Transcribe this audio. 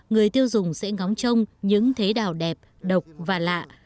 người tiêu dùng sẽ ngóng trông những thế đào đẹp độc và lạ